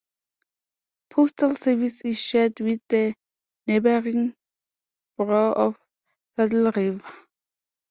Postal service is shared with the neighboring borough of Saddle River.